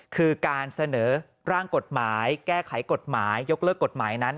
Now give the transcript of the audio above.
คือการเสนอร่างกฎหมายแก้ไขกฎหมายยกเลิกกฎหมายนั้น